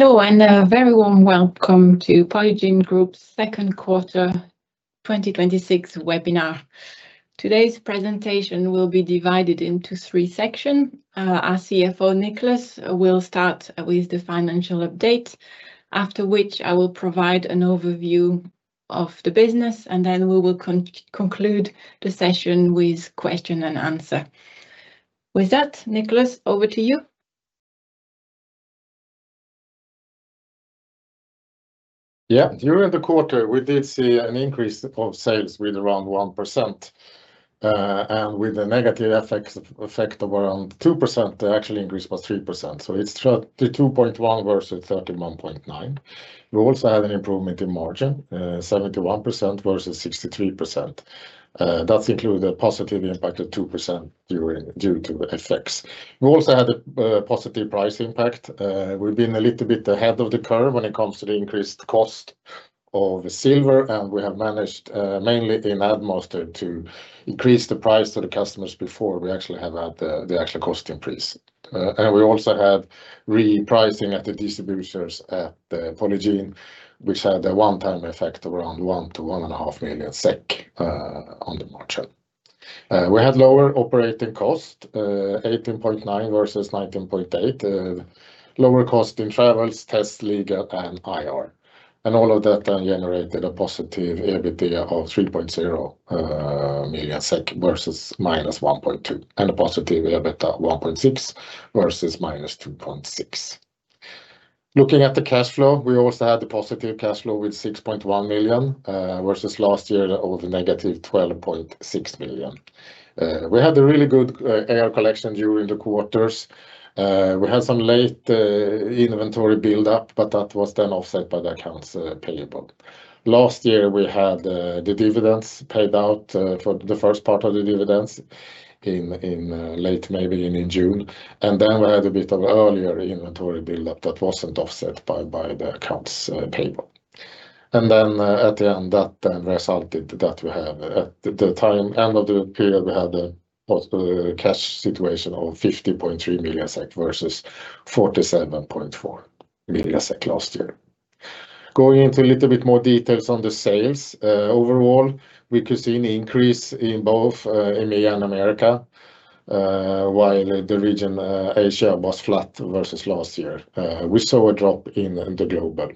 Hello, and a very warm welcome to Polygiene Group's second quarter 2026 webinar. Today's presentation will be divided into three sections. Our CFO, Niklas, will start with the financial update, after which I will provide an overview of the business. Then we will conclude the session with question and answer. With that, Niklas, over to you. During the quarter, we did see an increase of sales with around 1%, and with a negative effect of around 2%, the actual increase was 3%. It is 32.1 million versus 31.9 million. We also had an improvement in margin, 71% versus 63%. That includes a positive impact of 2% due to effects. We also had a positive price impact. We have been a little bit ahead of the curve when it comes to the increased cost of silver, and we have managed, mainly in Addmaster, to increase the price to the customers before we actually have had the actual cost increase. We also have repricing at the distributors at Polygiene, which had a one-time effect around 1 million-1.5 million SEK on the margin. We had lower operating costs, 18.9 million versus 19.8 million. Lower cost in travels, tests, legal, and IR. All of that then generated a positive EBITDA of 3.0 million SEK versus -1.2 million, and a positive EBIT of 1.6 million versus -2.6 million. Looking at the cash flow, we also had a positive cash flow with 6.1 million, versus last year of -12.6 million. We had a really good AR collection during the quarters. We had some late inventory build-up, but that was then offset by the accounts payable. Last year, we had the dividends paid out for the first part of the dividends in late May, maybe in June. Then we had a bit of earlier inventory build-up that was not offset by the accounts payable. At the end, that then resulted that we have at the time, end of the period, we had a positive cash situation of 50.3 million SEK versus 47.4 million SEK last year. Going into a little bit more details on the sales. Overall, we could see an increase in both EMEA and America, while the region Asia was flat versus last year. We saw a drop in the global.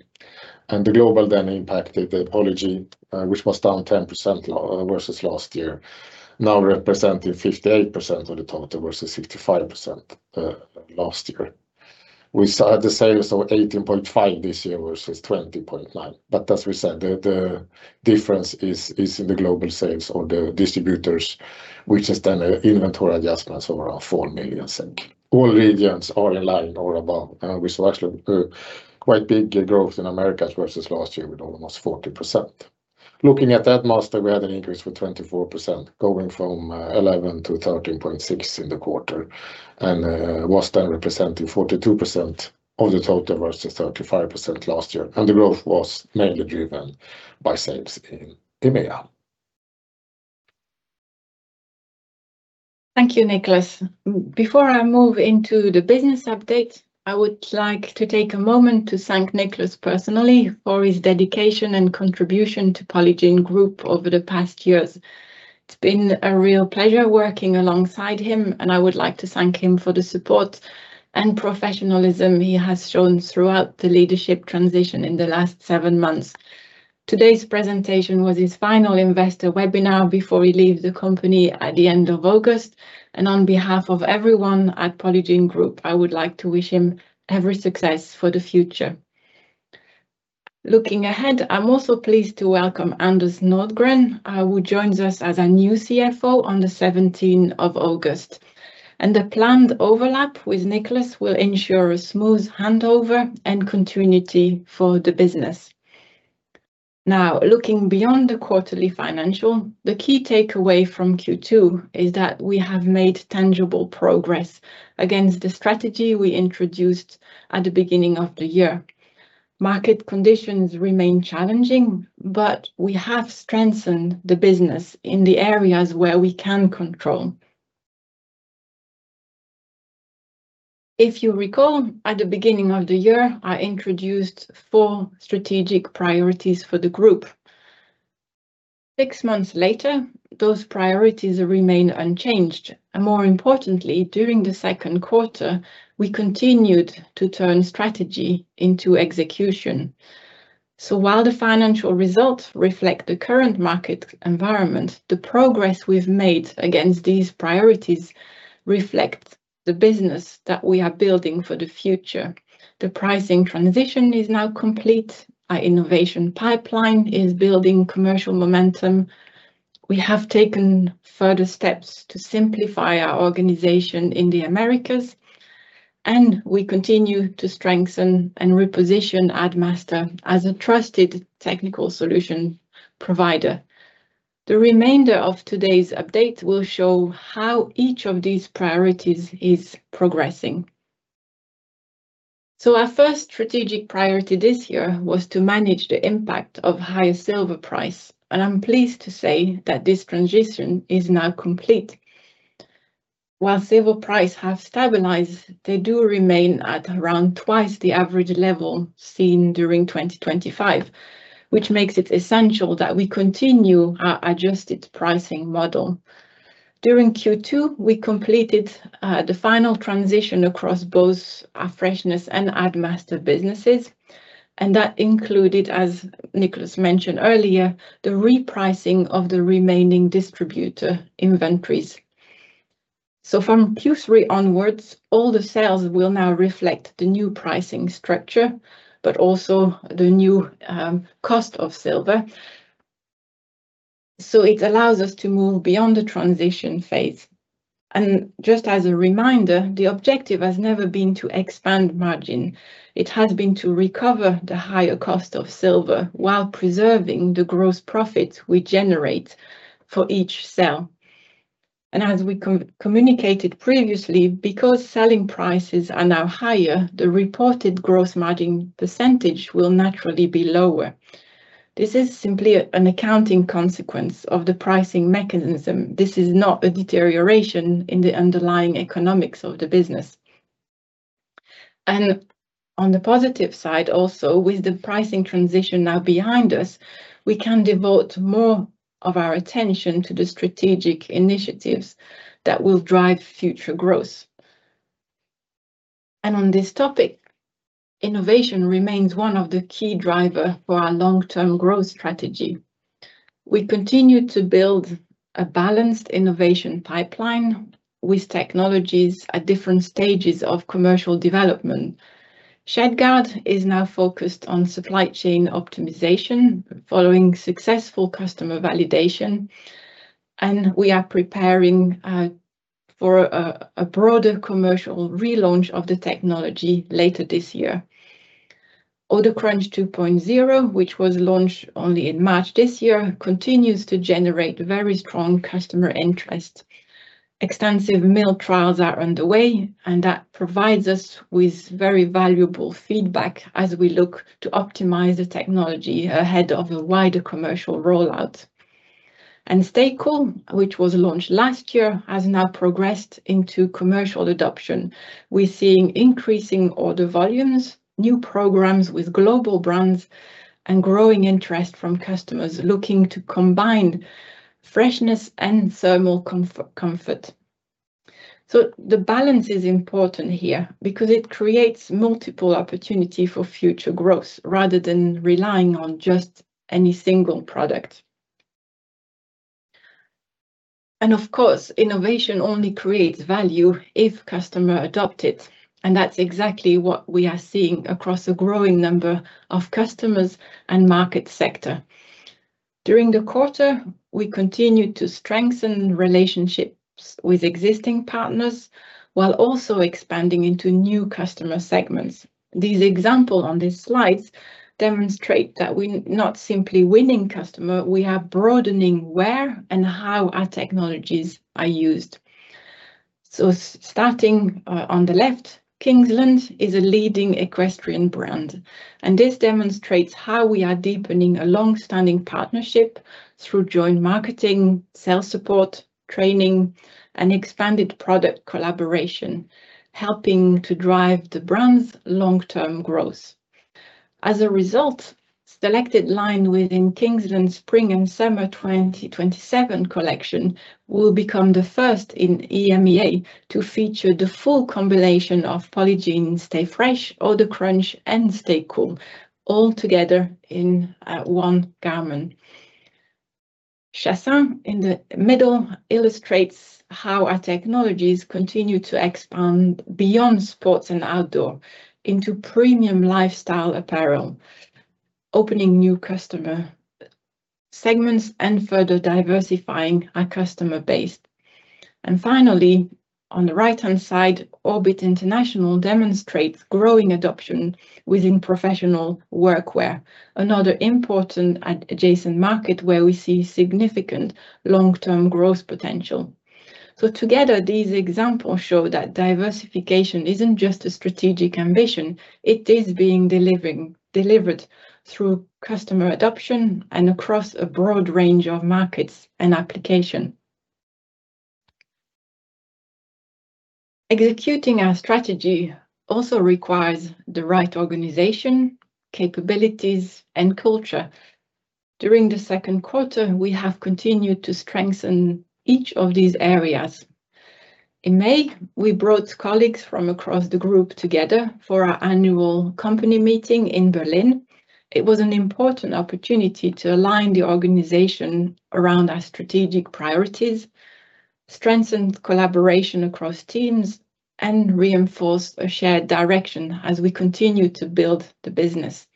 The global then impacted Polygiene, which was down 10% versus last year, now representing 58% of the total versus 65% last year. We had sales of 18.5 million this year versus 20.9 million. As we said, the difference is in the global sales or the distributors, which is then inventory adjustments of around 4 million. All regions are in line or above. We saw actually quite big growth in Americas versus last year with almost 40%. Looking at Addmaster, we had an increase of 24%, going from 11 million to 13.6 million in the quarter, and was then representing 42% of the total versus 35% last year. The growth was mainly driven by sales in EMEA. Thank you, Niklas. Before I move into the business update, I would like to take a moment to thank Niklas personally for his dedication and contribution to Polygiene Group over the past years. It's been a real pleasure working alongside him, and I would like to thank him for the support and professionalism he has shown throughout the leadership transition in the last seven months. Today's presentation was his final investor webinar before he leaves the company at the end of August. On behalf of everyone at Polygiene Group, I would like to wish him every success for the future. Looking ahead, I'm also pleased to welcome Anders Nordgren, who joins us as our new CFO on the 17th of August. The planned overlap with Niklas will ensure a smooth handover and continuity for the business. Now, looking beyond the quarterly financial, the key takeaway from Q2 is that we have made tangible progress against the strategy we introduced at the beginning of the year. Market conditions remain challenging, but we have strengthened the business in the areas where we can control. If you recall, at the beginning of the year, I introduced four strategic priorities for the Group. Six months later, those priorities remain unchanged, and more importantly, during the second quarter, we continued to turn strategy into execution. While the financial results reflect the current market environment, the progress we've made against these priorities reflects the business that we are building for the future. The pricing transition is now complete. Our innovation pipeline is building commercial momentum. We have taken further steps to simplify our organization in the Americas, and we continue to strengthen and reposition Addmaster as a trusted technical solution provider. The remainder of today's update will show how each of these priorities is progressing. Our first strategic priority this year was to manage the impact of higher silver price, and I'm pleased to say that this transition is now complete. While silver prices have stabilized, they do remain at around twice the average level seen during 2025, which makes it essential that we continue our adjusted pricing model. During Q2, we completed the final transition across both our Freshness and Addmaster businesses, and that included, as Niklas mentioned earlier, the repricing of the remaining distributor inventories. From Q3 onwards, all the sales will now reflect the new pricing structure, but also the new cost of silver, so it allows us to move beyond the transition phase. Just as a reminder, the objective has never been to expand margin. It has been to recover the higher cost of silver while preserving the gross profit we generate for each sale. As we communicated previously, because selling prices are now higher, the reported gross margin percentage will naturally be lower. This is simply an accounting consequence of the pricing mechanism. This is not a deterioration in the underlying economics of the business. On the positive side also, with the pricing transition now behind us, we can devote more of our attention to the strategic initiatives that will drive future growth. On this topic, innovation remains one of the key drivers for our long-term growth strategy. We continue to build a balanced innovation pipeline with technologies at different stages of commercial development. ShedGuard is now focused on supply chain optimization following successful customer validation, and we are preparing for a broader commercial relaunch of the technology later this year. OdorCrunch2.0, which was launched only in March this year, continues to generate very strong customer interest. Extensive mill trials are underway, that provides us with very valuable feedback as we look to optimize the technology ahead of a wider commercial rollout. StayCool, which was launched last year, has now progressed into commercial adoption. We're seeing increasing order volumes, new programs with global brands, and growing interest from customers looking to combine Freshness and thermal comfort. The balance is important here because it creates multiple opportunities for future growth rather than relying on just any single product. Of course, innovation only creates value if customers adopt it, and that's exactly what we are seeing across a growing number of customers and market sectors. During the quarter, we continued to strengthen relationships with existing partners while also expanding into new customer segments. These examples on these slides demonstrate that we're not simply winning customers, we are broadening where and how our technologies are used. Starting on the left, Kingsland is a leading equestrian brand, this demonstrates how we are deepening a long-standing partnership through joint marketing, sales support, training, and expanded product collaboration, helping to drive the brand's long-term growth. As a result, selected lines within Kingsland's spring and summer 2027 collection will become the first in EMEA to feature the full combination of Polygiene StayFresh, OdorCrunch, and StayCool all together in one garment. [Chassagne], in the middle, illustrates how our technologies continue to expand beyond sports and outdoor into premium lifestyle apparel, opening new customer segments, and further diversifying our customer base. Finally, on the right-hand side, Orbit International demonstrates growing adoption within professional workwear, another important adjacent market where we see significant long-term growth potential. Together, these examples show that diversification isn't just a strategic ambition, it is being delivered through customer adoption and across a broad range of markets and applications. Executing our strategy also requires the right organization, capabilities, and culture. During the second quarter, we have continued to strengthen each of these areas. In May, we brought colleagues from across the group together for our annual company meeting in Berlin. It was an important opportunity to align the organization around our strategic priorities, strengthen collaboration across teams, and reinforce a shared direction as we continue to build the business.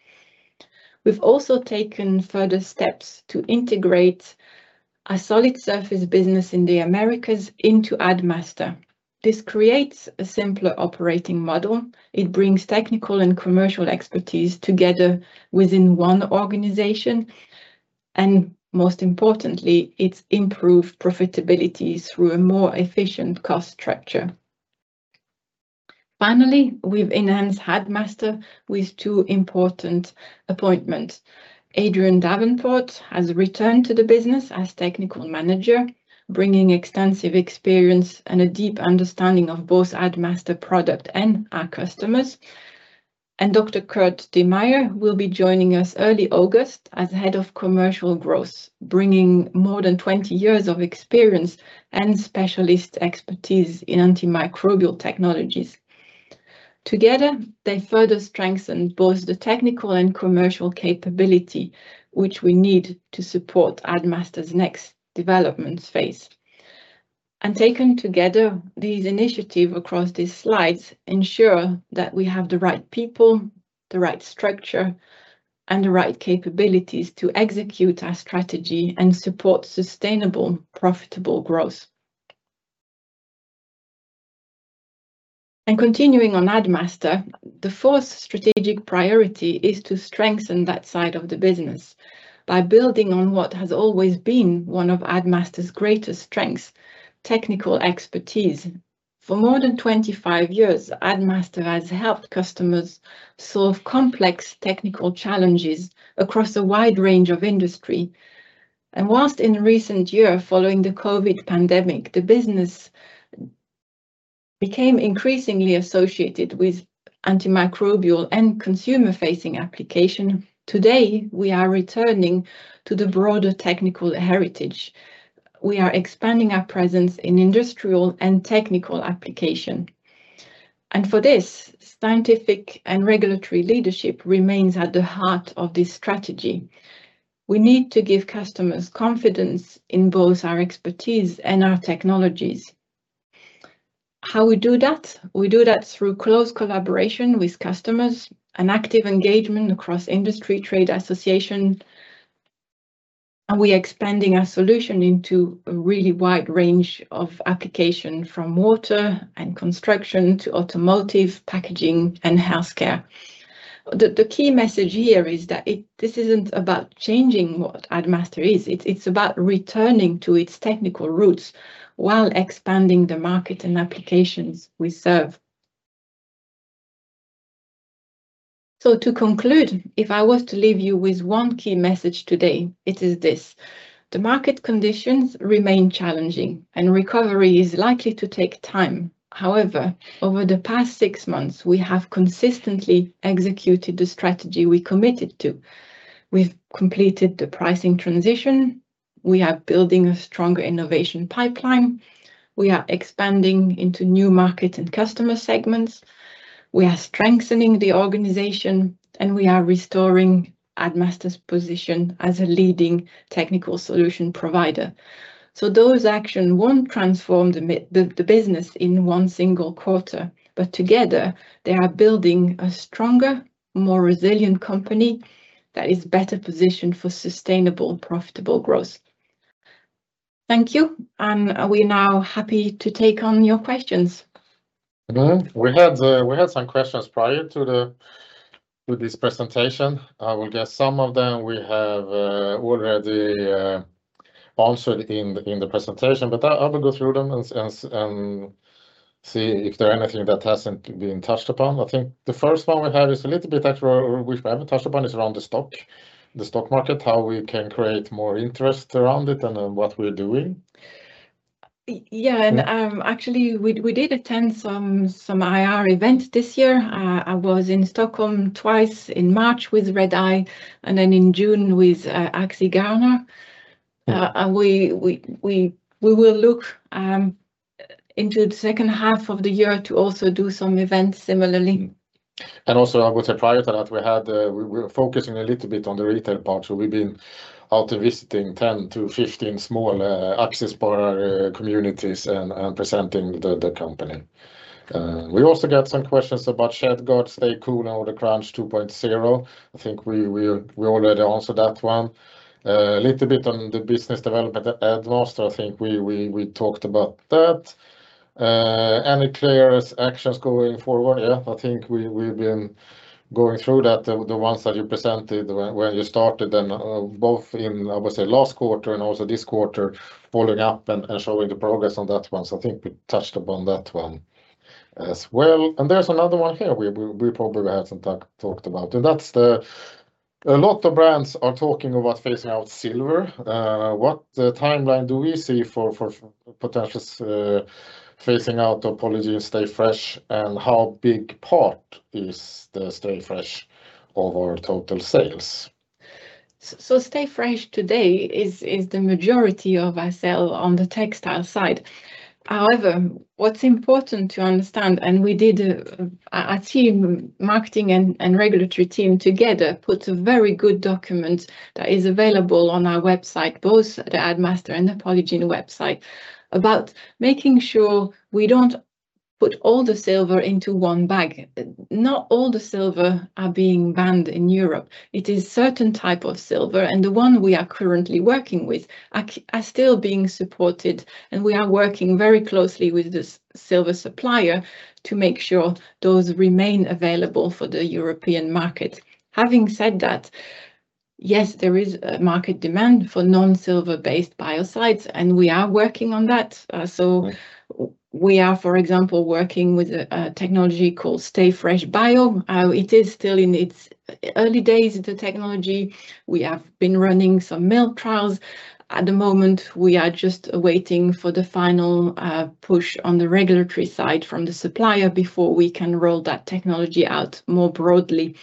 We've also taken further steps to integrate our solid surface business in the Americas into Addmaster. This creates a simpler operating model. It brings technical and commercial expertise together within one organization, and most importantly, it's improved profitability through a more efficient cost structure. Finally, we've enhanced Addmaster with two important appointments. Adrian Davenport has returned to the business as Technical Manager, bringing extensive experience and a deep understanding of both Addmaster product and our customers. Dr. Kurt De Meyer will be joining us early August as Head of Commercial Growth, bringing more than 20 years of experience and specialist expertise in antimicrobial technologies. Together, they further strengthen both the technical and commercial capability, which we need to support Addmaster's next development phase. Taken together, these initiatives across these slides ensure that we have the right people, the right structure, and the right capabilities to execute our strategy and support sustainable, profitable growth. Continuing on Addmaster, the fourth strategic priority is to strengthen that side of the business by building on what has always been one of Addmaster's greatest strengths, technical expertise. For more than 25 years, Addmaster has helped customers solve complex technical challenges across a wide range of industry. Whilst in recent year, following the COVID pandemic, the business became increasingly associated with antimicrobial and consumer-facing application, today, we are returning to the broader technical heritage. We are expanding our presence in industrial and technical application. For this, scientific and regulatory leadership remains at the heart of this strategy. We need to give customers confidence in both our expertise and our technologies. How we do that? We do that through close collaboration with customers and active engagement across industry trade association, and we are expanding our solution into a really wide range of application, from water and construction to automotive, packaging, and healthcare. The key message here is that this isn't about changing what Addmaster is. It's about returning to its technical roots while expanding the market and applications we serve. To conclude, if I was to leave you with one key message today, it is this. The market conditions remain challenging, and recovery is likely to take time. However, over the past six months, we have consistently executed the strategy we committed to. We've completed the pricing transition, we are building a stronger innovation pipeline, we are expanding into new markets and customer segments, we are strengthening the organization, and we are restoring Addmaster's position as a leading technical solution provider. Those action won't transform the business in one single quarter, but together, they are building a stronger, more resilient company that is better positioned for sustainable, profitable growth. Thank you, and we're now happy to take on your questions. We had some questions prior to this presentation. I will guess some of them we have already answered in the presentation, but I will go through them and see if there are anything that hasn't been touched upon. I think the first one we have is a little bit that we haven't touched upon is around the stock market, how we can create more interest around it and what we're doing. Yeah. Actually, we did attend some IR event this year. I was in Stockholm twice in March with Redeye and in June with Aktiedagarna. We will look into the second half of the year to also do some events similarly. Also, I would say prior to that, we were focusing a little bit on the retail part. We've been out visiting 10-15 small Aktiespararna communities and presenting the company. We also got some questions about ShedGuard, StayCool, and OdorCrunch2.0. I think we already answered that one. A little bit on the business development at Addmaster. I think we talked about that. Any clear actions going forward? Yeah, I think we've been going through that, the ones that you presented when you started and both in, I would say, last quarter and also this quarter, following up and showing the progress on that one. I think we touched upon that one as well. There's another one here we probably have talked about, and that's a lot of brands are talking about phasing out silver. What timeline do we see for potentially phasing out of Polygiene StayFresh, and how big part is the StayFresh of our total sales? StayFresh today is the majority of our sale on the textile side. However, what's important to understand, and we did, our marketing and regulatory team together, put a very good document that is available on our website, both the Addmaster and the Polygiene website, about making sure we don't put all the silver into one bag. Not all the silver are being banned in Europe. It is certain type of silver, and the one we are currently working with are still being supported, and we are working very closely with the silver supplier to make sure those remain available for the European market. Having said that, yes, there is a market demand for non-silver-based biocides, and we are working on that. We are, for example, working with a technology called StayFreshBIO. It is still in its early days, the technology. We have been running some mill trials. At the moment, we are just waiting for the final push on the regulatory side from the supplier before we can roll that technology out more broadly.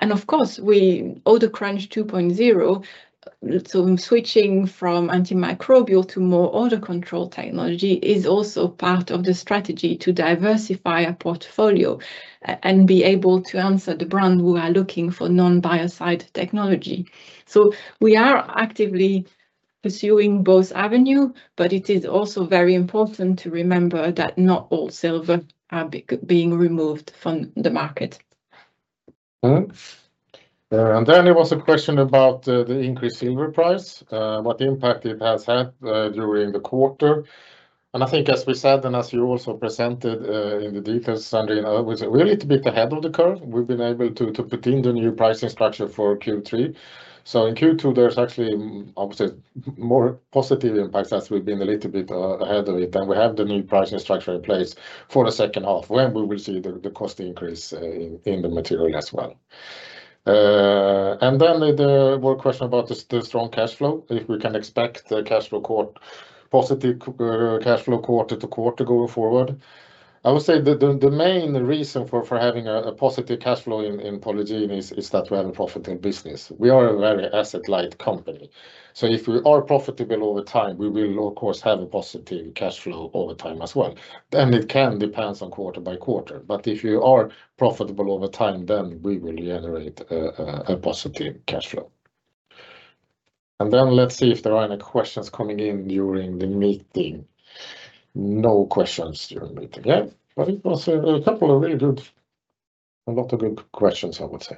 Of course, with OdorCrunch2.0, switching from antimicrobial to more odor control technology is also part of the strategy to diversify our portfolio and be able to answer the brands who are looking for non-biocide technology. We are actively pursuing both avenues, but it is also very important to remember that not all silver are being removed from the market. There was a question about the increased silver price, what impact it has had during the quarter. I think as we said, and as you also presented in the details, Sandrine, we're a little bit ahead of the curve. We've been able to put in the new pricing structure for Q3. In Q2, there's actually obviously more positive impacts as we've been a little bit ahead of it, and we have the new pricing structure in place for the second half when we will see the cost increase in the material as well. The question about the strong cash flow, if we can expect the positive cash flow quarter-to-quarter going forward. I would say the main reason for having a positive cash flow in Polygiene is that we have a profitable business. We are a very asset-light company. If we are profitable over time, we will of course have a positive cash flow over time as well. It can depends on quarter-by-quarter. If you are profitable over time, we will generate a positive cash flow. Let's see if there are any questions coming in during the meeting. No questions during the meeting. It was a lot of good questions, I would say.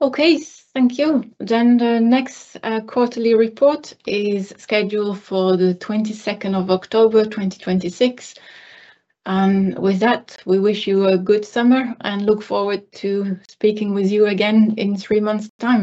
Okay, thank you. The next quarterly report is scheduled for the 22nd of October, 2026. With that, we wish you a good summer and look forward to speaking with you again in three months' time.